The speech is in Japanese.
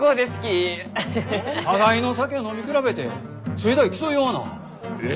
互いの酒を飲み比べてせえだい競い合わなええ